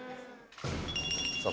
さあ